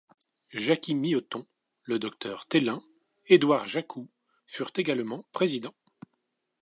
Jacky Miauton, le Dr Thélin, Édouard Jaccoud furent également président.